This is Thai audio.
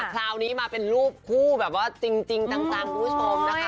คราวนี้มาเป็นรูปคู่แบบว่าจริงจังคุณผู้ชมนะคะ